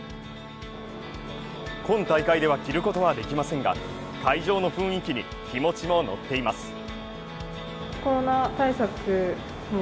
今大会では着ることはできませんが、会場の雰囲気に気持ちも乗っています。